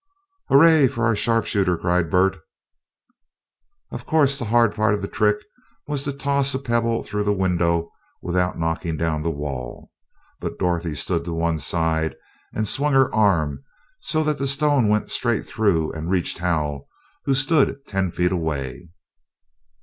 "Hurrah for our sharpshooter!" cried Bert. Of course the hard part of the trick was to toss a pebble through the window without knocking down the wall, but Dorothy stood to one side, and swung her arm, so that the stone went straight through and reached Hal, who stood ten feet away.